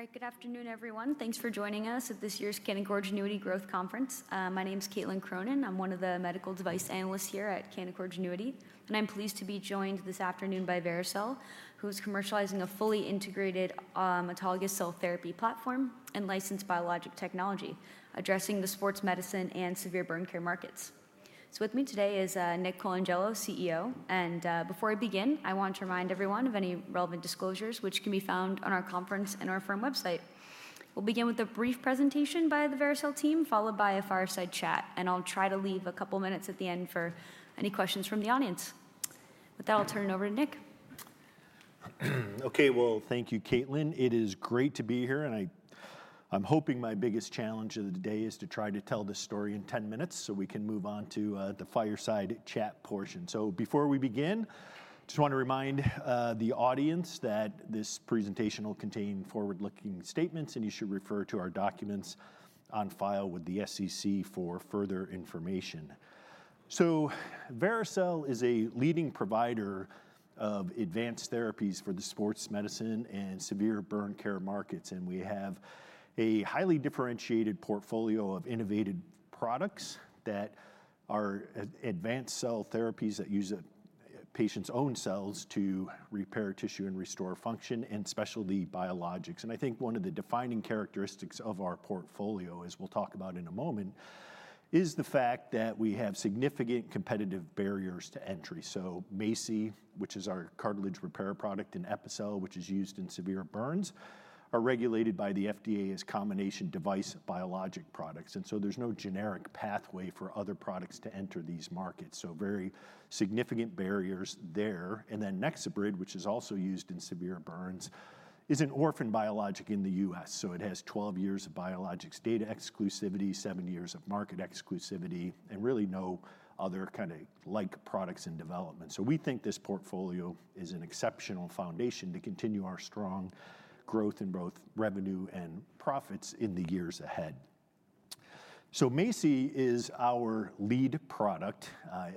All right, good afternoon, everyone. Thanks for joining us at this year's Canaccord Genuity Growth Conference. My name's Caitlin Cronin. I'm one of the medical device analysts here at Canaccord Genuity, and I'm pleased to be joined this afternoon by Vericel, who's commercializing a fully integrated, autologous cell therapy platform and licensed biologic technology, addressing the sports medicine and severe burn care markets. With me today is Nick Colangelo, CEO, and before I begin, I want to remind everyone of any relevant disclosures, which can be found on our conference and our firm website. We'll begin with a brief presentation by the Vericel team, followed by a fireside chat, and I'll try to leave a couple minutes at the end for any questions from the audience. With that, I'll turn it over to Nick. Okay, well, thank you, Caitlin. It is great to be here, and I, I'm hoping my biggest challenge of the day is to try to tell this story in 10 minutes, so we can move on to the fireside chat portion. So before we begin, just wanna remind the audience that this presentation will contain forward-looking statements, and you should refer to our documents on file with the SEC for further information. So Vericel is a leading provider of advanced therapies for the sports medicine and severe burn care markets, and we have a highly differentiated portfolio of innovative products that are advanced cell therapies that use a patient's own cells to repair tissue and restore function, and specialty biologics. I think one of the defining characteristics of our portfolio, as we'll talk about in a moment, is the fact that we have significant competitive barriers to entry. So MACI, which is our cartilage repair product, and Epicel, which is used in severe burns, are regulated by the FDA as combination device biologic products, and so there's no generic pathway for other products to enter these markets, so very significant barriers there. And then NexoBrid, which is also used in severe burns, is an orphan biologic in the U.S., so it has 12 years of biologics data exclusivity, 7 years of market exclusivity, and really no other kinda like products in development. So we think this portfolio is an exceptional foundation to continue our strong growth in both revenue and profits in the years ahead. So MACI is our lead product.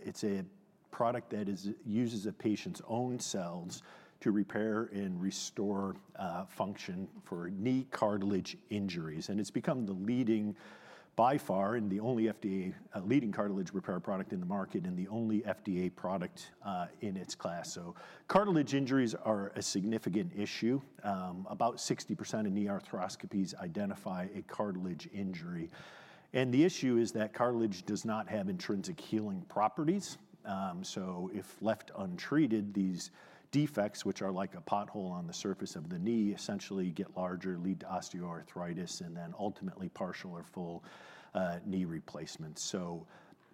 It's a product that uses a patient's own cells to repair and restore function for knee cartilage injuries. It's become the leading by far, and the only FDA leading cartilage repair product in the market and the only FDA product in its class. Cartilage injuries are a significant issue. About 60% of knee arthroscopies identify a cartilage injury, and the issue is that cartilage does not have intrinsic healing properties. If left untreated, these defects, which are like a pothole on the surface of the knee, essentially get larger, lead to osteoarthritis, and then ultimately partial or full knee replacement.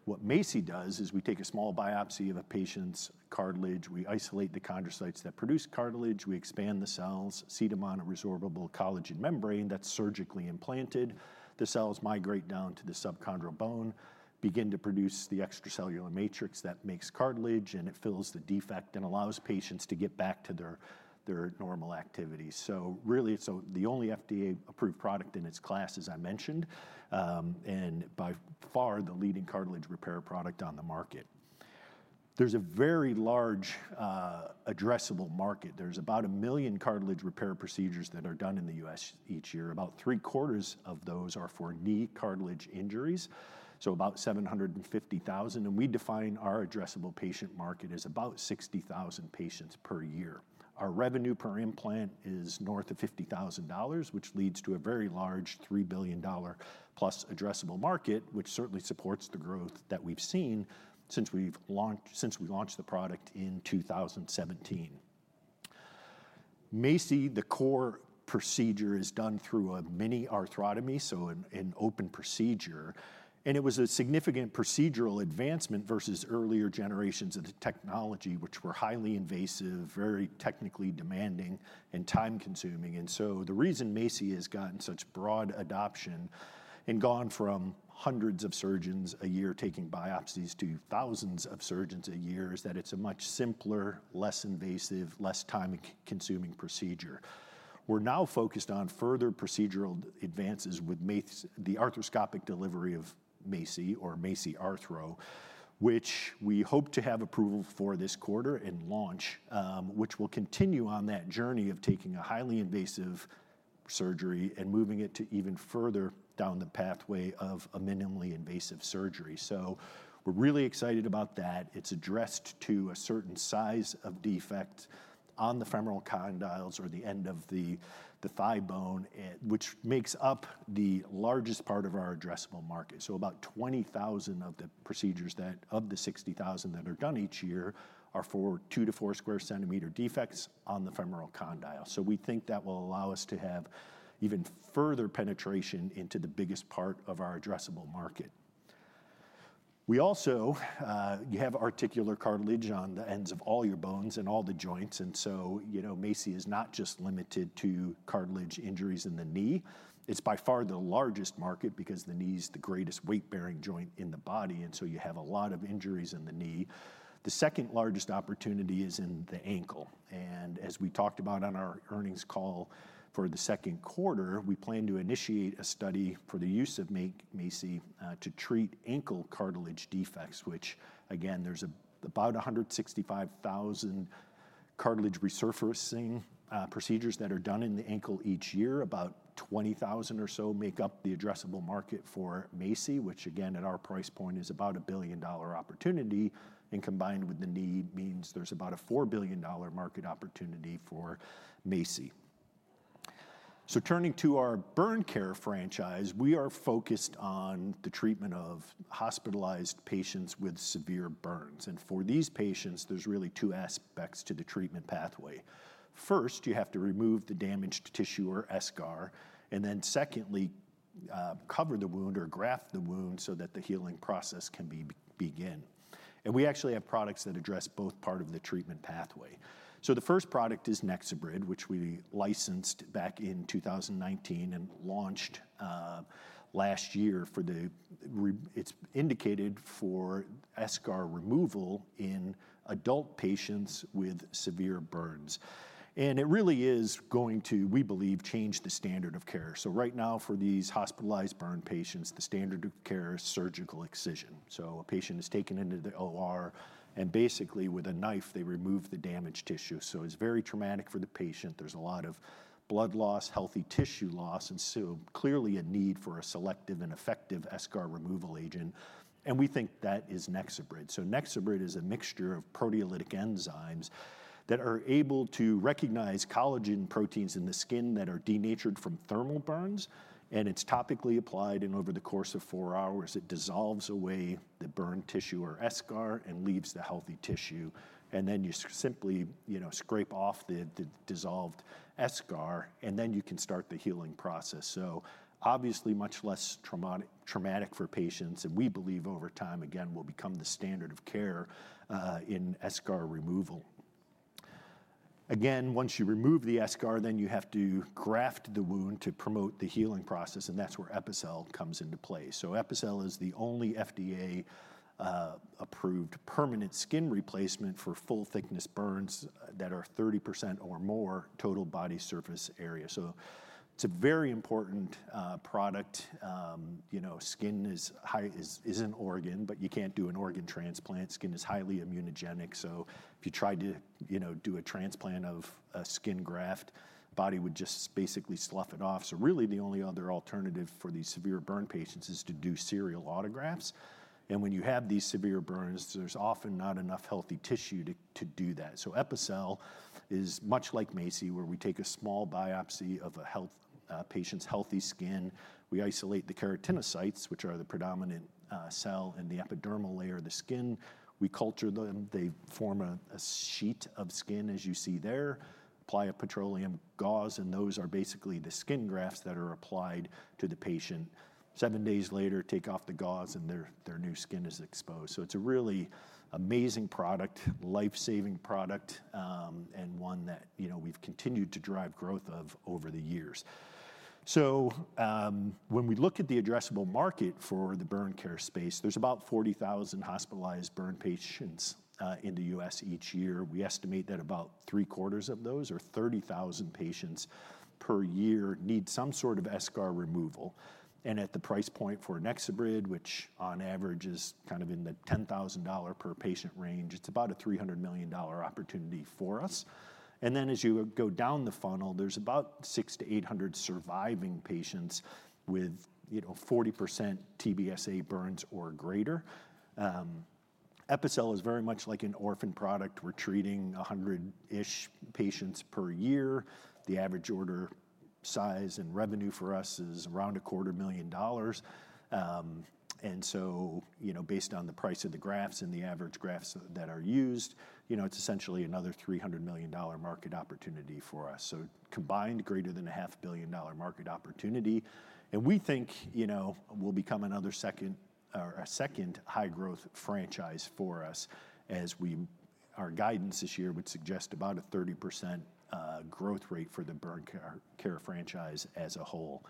What MACI does is we take a small biopsy of a patient's cartilage, we isolate the chondrocytes that produce cartilage, we expand the cells, seed them on a resorbable collagen membrane that's surgically implanted. The cells migrate down to the subchondral bone, begin to produce the extracellular matrix that makes cartilage, and it fills the defect and allows patients to get back to their, their normal activities. So really, it's the only FDA-approved product in its class, as I mentioned, and by far, the leading cartilage repair product on the market. There's a very large addressable market. There's about 1 million cartilage repair procedures that are done in the U.S. each year. About three-quarters of those are for knee cartilage injuries, so about 750,000, and we define our addressable patient market as about 60,000 patients per year. Our revenue per implant is north of $50,000, which leads to a very large $3 billion+ addressable market, which certainly supports the growth that we've seen since we launched the product in 2017. MACI, the core procedure, is done through a mini arthrotomy, so an open procedure, and it was a significant procedural advancement versus earlier generations of the technology, which were highly invasive, very technically demanding, and time-consuming. So the reason MACI has gotten such broad adoption and gone from hundreds of surgeons a year taking biopsies to thousands of surgeons a year is that it's a much simpler, less invasive, less time-consuming procedure. We're now focused on further procedural advances with MACI, the arthroscopic delivery of MACI or MACI Arthro, which we hope to have approval for this quarter and launch, which will continue on that journey of taking a highly invasive surgery and moving it to even further down the pathway of a minimally invasive surgery. So we're really excited about that. It's addressed to a certain size of defect on the femoral condyles or the end of the thigh bone, which makes up the largest part of our addressable market. So about 20,000 of the 60,000 procedures that are done each year are for 2-4 square centimeter defects on the femoral condyle. So we think that will allow us to have even further penetration into the biggest part of our addressable market. We also, you have articular cartilage on the ends of all your bones and all the joints, and so, you know, MACI is not just limited to cartilage injuries in the knee. It's by far the largest market because the knee's the greatest weight-bearing joint in the body, and so you have a lot of injuries in the knee. The second largest opportunity is in the ankle, and as we talked about on our earnings call for the Q2 we plan to initiate a study for the use of MACI, MACI, to treat ankle cartilage defects, which again, there's about 165,000 cartilage resurfacing procedures that are done in the ankle each year. About 20,000 or so make up the addressable market for MACI, which again, at our price point, is about a billion-dollar opportunity, and combined with the need, means there's about a $4 billion market opportunity for MACI. So turning to our burn care franchise, we are focused on the treatment of hospitalized patients with severe burns, and for these patients, there's really two aspects to the treatment pathway. First, you have to remove the damaged tissue or eschar, and then secondly, cover the wound or graft the wound so that the healing process can begin. And we actually have products that address both part of the treatment pathway. So the first product is NexoBrid, which we licensed back in 2019 and launched last year. It's indicated for eschar removal in adult patients with severe burns. It really is going to, we believe, change the standard of care. Right now, for these hospitalized burn patients, the standard of care is surgical excision. A patient is taken into the OR, and basically, with a knife, they remove the damaged tissue. It's very traumatic for the patient. There's a lot of blood loss, healthy tissue loss, and so clearly a need for a selective and effective eschar removal agent, and we think that is NexoBrid. NexoBrid is a mixture of proteolytic enzymes that are able to recognize collagen proteins in the skin that are denatured from thermal burns, and it's topically applied, and over the course of hours, it dissolves away the burned tissue or eschar and leaves the healthy tissue. Then you simply, you know, scrape off the dissolved eschar, and then you can start the healing process. So obviously, much less traumatic for patients, and we believe over time, again, will become the standard of care in eschar removal. Again, once you remove the eschar, then you have to graft the wound to promote the healing process, and that's where Epicel comes into play. So Epicel is the only FDA approved permanent skin replacement for full-thickness burns that are 30% or more total body surface area. So it's a very important product. You know, skin is an organ, but you can't do an organ transplant. Skin is highly immunogenic, so if you tried to, you know, do a transplant of a skin graft, body would just basically slough it off. So really, the only other alternative for these severe burn patients is to do serial autografts. When you have these severe burns, there's often not enough healthy tissue to do that. So Epicel is much like MACI, where we take a small biopsy of a patient's healthy skin. We isolate the keratinocytes, which are the predominant cell in the epidermal layer of the skin. We culture them. They form a sheet of skin, as you see there, apply a petroleum gauze, and those are basically the skin grafts that are applied to the patient. 7 days later, take off the gauze, and their new skin is exposed. So it's a really amazing product, life-saving product, and one that, you know, we've continued to drive growth of over the years. So when we look at the addressable market for the burn care space, there's about 40,000 hospitalized burn patients in the U.S. each year. We estimate that about three-quarters of those, or 30,000 patients per year, need some sort of eschar removal. And at the price point for NexoBrid, which on average is kind of in the $10,000 per patient range, it's about a $300 million opportunity for us. And then as you go down the funnel, there's about 600-800 surviving patients with, you know, 40% TBSA burns or greater. Epicel is very much like an orphan product. We're treating a 100-ish patients per year. The average order size and revenue for us is around a $250,000. And so, you know, based on the price of the grafts and the average grafts that are used, you know, it's essentially another $300 million market opportunity for us, so combined, greater than a $500 million market opportunity. We think, you know, will become another second or a second high-growth franchise for us as we, our guidance this year would suggest about a 30%, growth rate for the burn care franchise as a whole.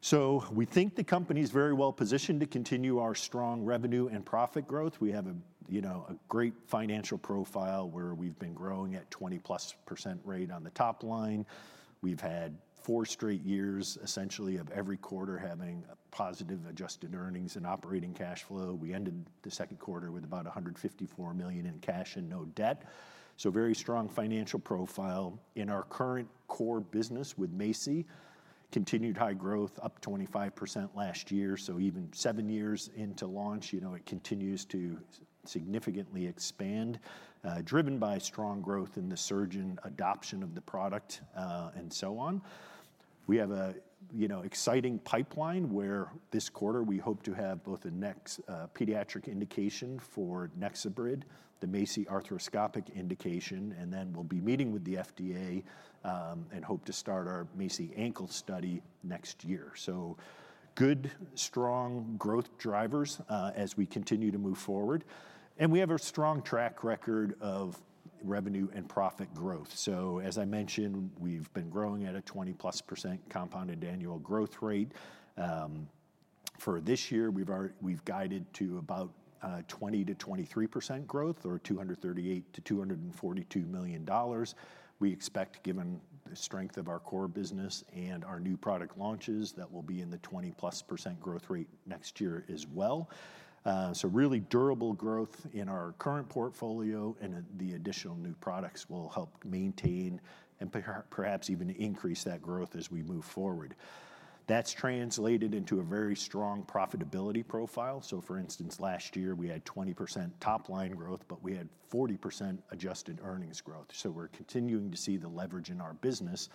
So we think the company is very well-positioned to continue our strong revenue and profit growth. We have a, you know, a great financial profile, where we've been growing at 20%+ rate on the top line. We've had 4 straight years, essentially, of every quarter having a positive adjusted earnings and operating cash flow. We ended the Q2 with about $154 million in cash and no debt, so very strong financial profile. In our current core business with MACI, continued high growth, up 25% last year. So even seven years into launch, you know, it continues to significantly expand, driven by strong growth in the surgeon adoption of the product, and so on. We have a, you know, exciting pipeline, where this quarter, we hope to have both a pediatric indication for NexoBrid, the MACI arthroscopic indication, and then we'll be meeting with the FDA, and hope to start our MACI ankle study next year. So good, strong growth drivers, as we continue to move forward. And we have a strong track record of revenue and profit growth. So, as I mentioned, we've been growing at a 20%+ compounded annual growth rate, for this year, we've guided to about 20%-23% growth, or $238 million-$242 million. We expect, given the strength of our core business and our new product launches, that we'll be in the 20%+ growth rate next year as well. So really durable growth in our current portfolio, and then the additional new products will help maintain and perhaps even increase that growth as we move forward. That's translated into a very strong profitability profile. So for instance, last year we had 20% top-line growth, but we had 40% adjusted earnings growth. So we're continuing to see the leverage in our business,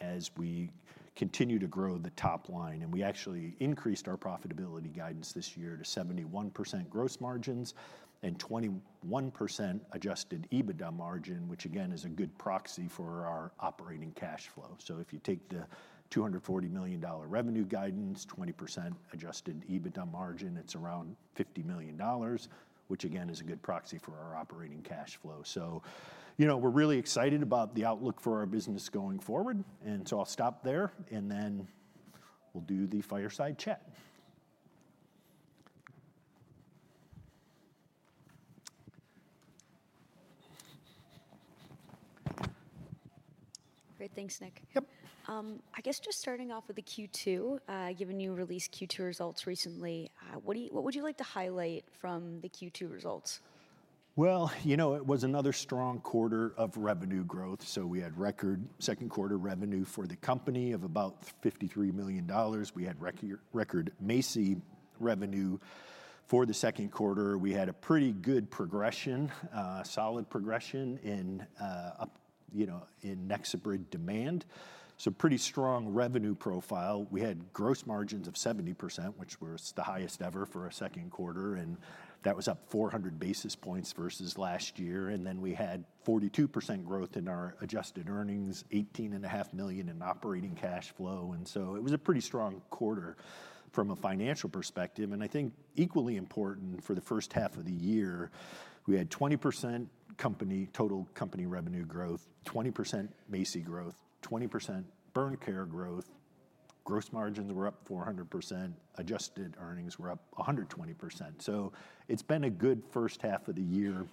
as we continue to grow the top line. And we actually increased our profitability guidance this year to 71% gross margins and 21% Adjusted EBITDA margin, which again, is a good proxy for our operating cash flow. So if you take the $240 million revenue guidance, 20% Adjusted EBITDA margin, it's around $50 million, which again, is a good proxy for our operating cash flow. So, you know, we're really excited about the outlook for our business going forward, and so I'll stop there, and then we'll do the fireside chat. Great. Thanks, Nick. Yep. I guess just starting off with the Q2, given you released Q2 results recently, what do you-- what would you like to highlight from the Q2 results? Well, you know, it was another strong quarter of revenue growth, so we had record Q2 revenue for the company of about $53 million. We had record MACI revenue for the Q2. We had a pretty good progression, solid progression in Epicel, you know, in NexoBrid demand, so pretty strong revenue profile. We had gross margins of 70%, which was the highest ever for a Q2, and that was up 400 basis points versus last year. And then we had 42% growth in our adjusted earnings, $18.5 million in operating cash flow, and so it was a pretty strong quarter from a financial perspective. And I think equally important, for the first half of the year, we had 20% company, total company revenue growth, 20% MACI growth, 20% Burn Care growth. Gross margins were up 400%, adjusted earnings were up 120%. So it's been a good first half of the year,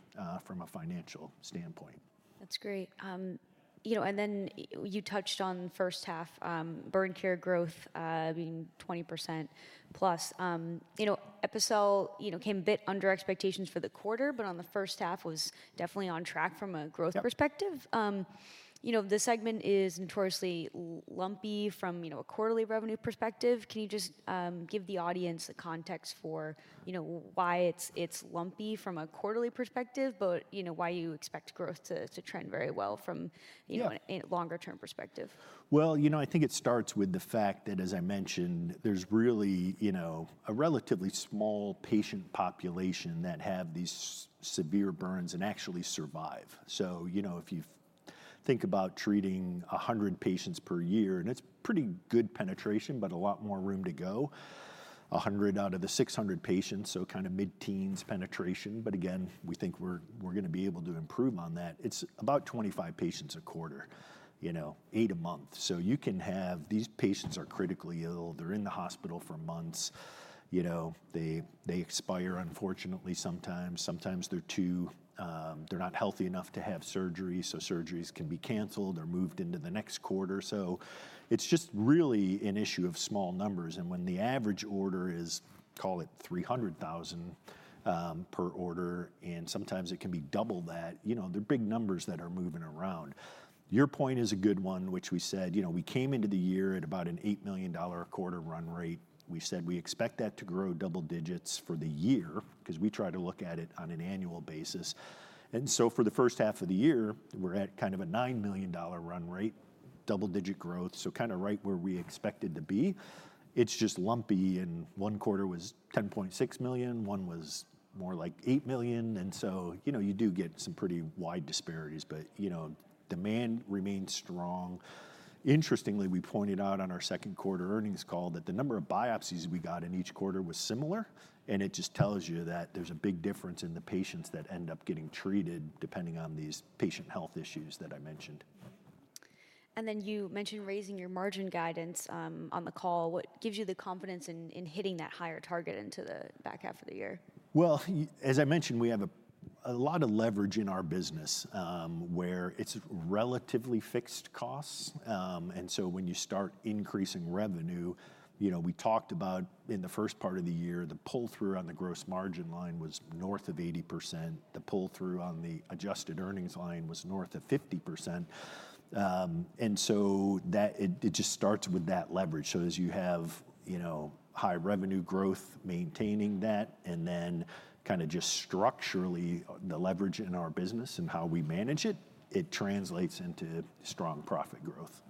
from a financial standpoint. That's great. You know, you touched on first half Burn Care growth being 20%+. You know, Epicel came a bit under expectations for the quarter, but on the first half was definitely on track from a growth- Yep... perspective. You know, the segment is notoriously lumpy from, you know, a quarterly revenue perspective. Can you just give the audience the context for, you know, why it's lumpy from a quarterly perspective, but, you know, why you expect growth to trend very well from- Yeah... you know, a longer-term perspective? Well, you know, I think it starts with the fact that, as I mentioned, there's really, you know, a relatively small patient population that have these severe burns and actually survive. So, you know, if you think about treating 100 patients per year, and it's pretty good penetration, but a lot more room to go, 100 out of the 600 patients, so kind of mid-teens penetration, but again, we think we're gonna be able to improve on that. It's about 25 patients a quarter, you know, 8 a month. So you can have... These patients are critically ill. They're in the hospital for months. You know, they expire, unfortunately, sometimes. Sometimes they're too... They're not healthy enough to have surgery, so surgeries can be canceled or moved into the next quarter. So it's just really an issue of small numbers, and when the average order is, call it $300,000 per order, and sometimes it can be double that, you know, they're big numbers that are moving around. Your point is a good one, which we said, you know, we came into the year at about an $8 million a quarter run rate. We said we expect that to grow double digits for the year, 'cause we try to look at it on an annual basis. And so for the first half of the year, we're at kind of a $9 million run rate, double-digit growth, so kinda right where we expected to be. It's just lumpy, and one quarter was $10.6 million, one was more like $8 million, and so, you know, you do get some pretty wide disparities, but, you know, demand remains strong. Interestingly, we pointed out on our Q2 earnings call that the number of biopsies we got in each quarter was similar, and it just tells you that there's a big difference in the patients that end up getting treated, depending on these patient health issues that I mentioned. And then you mentioned raising your margin guidance on the call. What gives you the confidence in hitting that higher target into the back half of the year? Well, as I mentioned, we have a lot of leverage in our business, where it's relatively fixed costs. And so when you start increasing revenue, you know, we talked about in the first part of the year, the pull-through on the gross margin line was north of 80%. The pull-through on the adjusted earnings line was north of 50%. And so that it just starts with that leverage. So as you have, you know, high revenue growth, maintaining that, and then kinda just structurally, the leverage in our business and how we manage it, it translates into strong profit growth.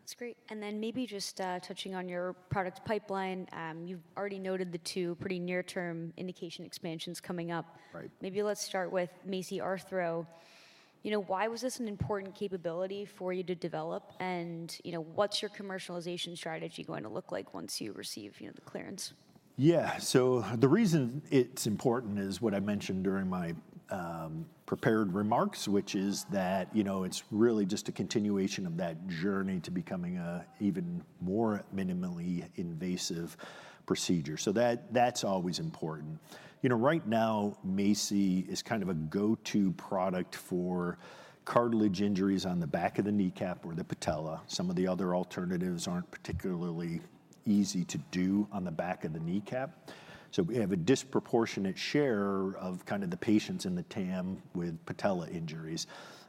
That's great. And then maybe just touching on your product pipeline, you've already noted the two pretty near-term indication expansions coming up. Right. Maybe let's start with MACI Arthro... You know, why was this an important capability for you to develop? And, you know, what's your commercialization strategy going to look like once you receive, you know, the clearance? Yeah. So the reason it's important is what I mentioned during my prepared remarks, which is that, you know, it's really just a continuation of that journey to becoming a even more minimally invasive procedure. So that's always important. You know, right now, MACI is kind of a go-to product for cartilage injuries on the back of the kneecap or the patella. Some of the other alternatives aren't particularly easy to do on the back of the kneecap. So we have a disproportionate share of kind of the patients in the TAM with patella injuries.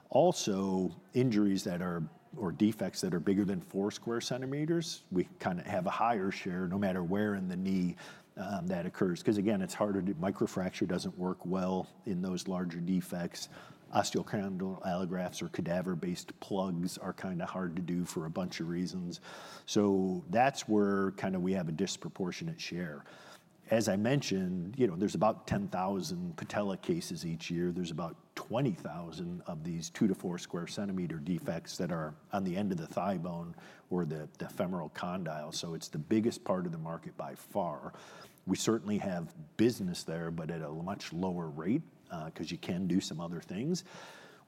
Also, injuries that are, or defects that are bigger than 4 square centimeters, we kinda have a higher share, no matter where in the knee that occurs, 'cause again, it's harder to... Microfracture doesn't work well in those larger defects. Osteochondral allografts or cadaver-based plugs are kinda hard to do for a bunch of reasons. So that's where kinda we have a disproportionate share. As I mentioned, you know, there's about 10,000 patella cases each year. There's about 20,000 of these 2-4 square centimeter defects that are on the end of the thigh bone or the femoral condyle, so it's the biggest part of the market by far. We certainly have business there, but at a much lower rate, 'cause you can do some other things.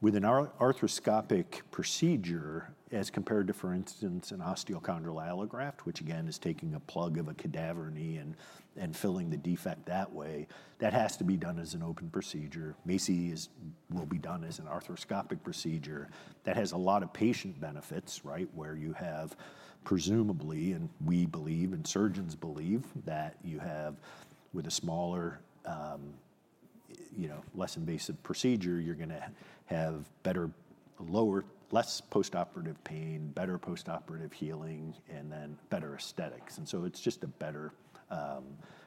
With an arthroscopic procedure, as compared to, for instance, an osteochondral allograft, which again is taking a plug of a cadaver knee and filling the defect that way, that has to be done as an open procedure. MACI will be done as an arthroscopic procedure. That has a lot of patient benefits, right? Where you have, presumably, and we believe, and surgeons believe, that you have, with a smaller, you know, less invasive procedure, you're gonna have better, lower, less postoperative pain, better postoperative healing, and then better aesthetics. And so it's just a better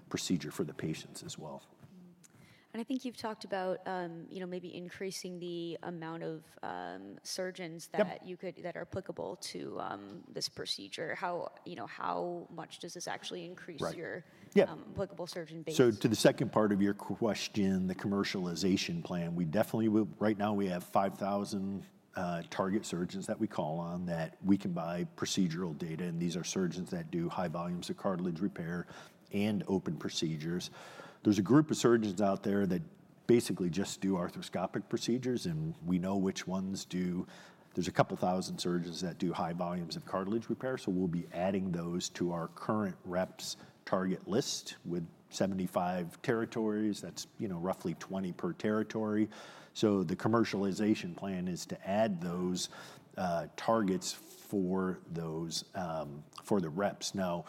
procedure for the patients as well. Mm-hmm. And I think you've talked about, you know, maybe increasing the amount of, surgeons that- Yep... you could, that are applicable to, this procedure. How, you know, how much does this actually increase- Right. -your- Yeah... applicable surgeon base? So to the second part of your question, the commercialization plan, we definitely will, right now, we have 5,000 target surgeons that we call on, that we can buy procedural data, and these are surgeons that do high volumes of cartilage repair and open procedures. There's a group of surgeons out there that basically just do arthroscopic procedures, and we know which ones do. There's a couple thousand surgeons that do high volumes of cartilage repair, so we'll be adding those to our current reps' target list. With 75 territories, that's, you know, roughly 20 per territory. So the commercialization plan is to add those targets for those for the reps. Now,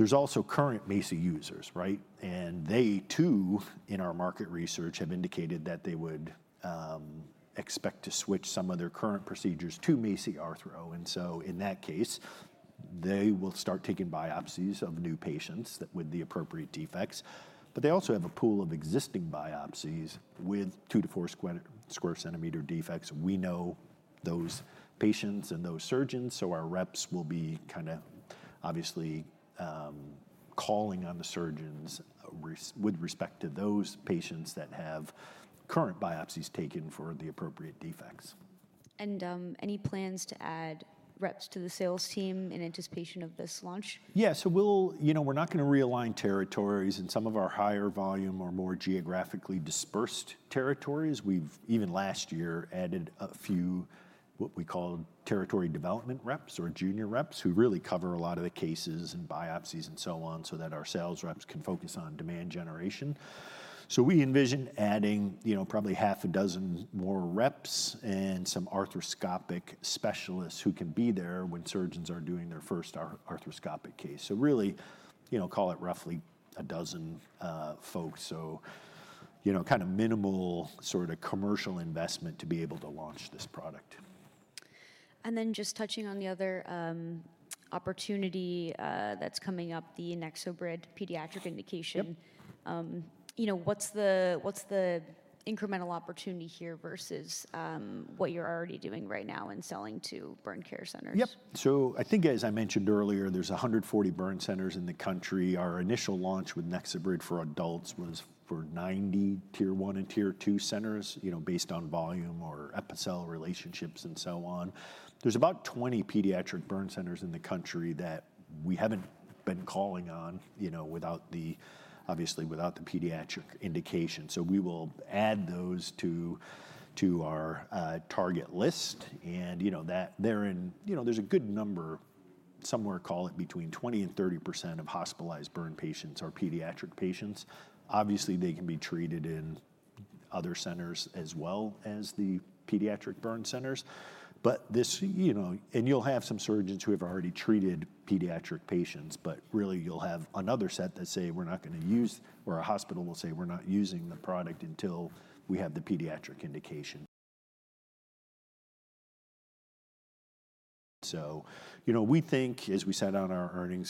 there's also current MACI users, right? They, too, in our market research, have indicated that they would expect to switch some of their current procedures to MACI Arthro, and so in that case, they will start taking biopsies of new patients that with the appropriate defects. But they also have a pool of existing biopsies with 2-4 square centimeter defects. We know those patients and those surgeons, so our reps will be kinda obviously calling on the surgeons with respect to those patients that have current biopsies taken for the appropriate defects. Any plans to add reps to the sales team in anticipation of this launch? Yeah, so we'll. You know, we're not gonna realign territories in some of our higher volume or more geographically dispersed territories. We've even last year added a few, what we call territory development reps or junior reps, who really cover a lot of the cases and biopsies and so on, so that our sales reps can focus on demand generation. So we envision adding, you know, probably half a dozen more reps and some arthroscopic specialists who can be there when surgeons are doing their first arthroscopic case. So really, you know, call it roughly a dozen folks, so, you know, kind of minimal sort of commercial investment to be able to launch this product. And then just touching on the other opportunity that's coming up, the NexoBrid pediatric indication. Yep. You know, what's the incremental opportunity here versus what you're already doing right now in selling to burn care centers? Yep. So I think, as I mentioned earlier, there's 140 burn centers in the country. Our initial launch with NexoBrid for adults was for 90 tier one and tier two centers, you know, based on volume or Epicel relationships and so on. There's about 20 pediatric burn centers in the country that we haven't been calling on, you know, without the, obviously, without the pediatric indication. So we will add those to our target list, and, you know, that, they're in... You know, there's a good number, somewhere, call it, between 20% and 30% of hospitalized burn patients are pediatric patients. Obviously, they can be treated in other centers as well as the pediatric burn centers, but this, you know... And you'll have some surgeons who have already treated pediatric patients, but really you'll have another set that say, "We're not gonna use..." Or a hospital will say, "We're not using the product until we have the pediatric indication." So, you know, we think, as we said on our earnings-